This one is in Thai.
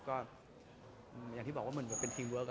ก็อย่างที่บอกว่าเหมือนเป็นทีมเวิร์ค